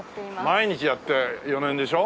毎日やって４年でしょ？